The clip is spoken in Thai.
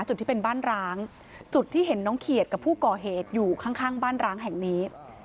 จุดที่เป็นบ้านร้างจุดที่เห็นน้องเขียดกับผู้ก่อเหตุอยู่ข้างข้างบ้านร้างแห่งนี้